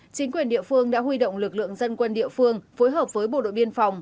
chính quyền địa phương đã huy động lực lượng dân quân địa phương phối hợp với bộ đội biên phòng